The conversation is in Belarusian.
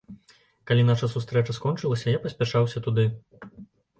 Калі наша сустрэча скончылася, я паспяшаўся туды.